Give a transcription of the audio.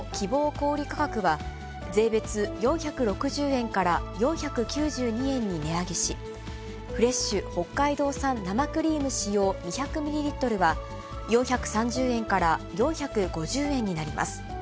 小売り価格は税別４６０円から４９２円に値上げし、フレッシュ北海道産生クリーム使用２００ミリリットルは、４３０円から４５０円になります。